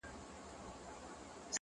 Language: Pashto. نن خو يې بيا راته يوه پلنډه غمونه راوړل’